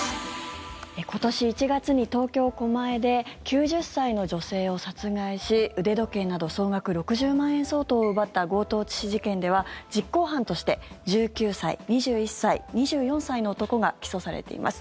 今年１月に東京・狛江で９０歳の女性を殺害し腕時計など総額６０万円相当を奪った強盗致死事件では実行犯として１９歳、２１歳２４歳の男が起訴されています。